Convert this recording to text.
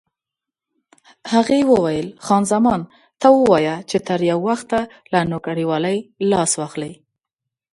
هغې وویل: خان زمان ته ووایه چې تر یو وخته له نوکرېوالۍ لاس واخلي.